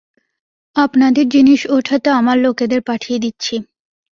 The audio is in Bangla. আপনাদের জিনিস ওঠাতে আমার লোকেদের পাঠিয়ে দিচ্ছি।